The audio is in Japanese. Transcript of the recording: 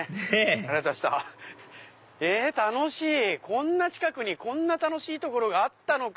こんな近くにこんな楽しい所があったのか。